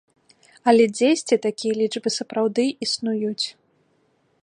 Але дзесьці такія лічбы сапраўды існуюць.